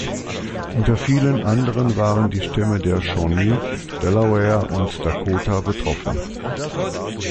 Unter vielen anderen waren die Stämme der Shawnee, Delaware und Dakota betroffen.